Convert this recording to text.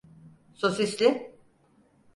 Sosisli…